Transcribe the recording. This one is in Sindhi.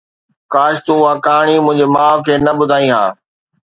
ڪاش تون اها ڪهاڻي منهنجي ماءُ کي نه ٻڌائي ها.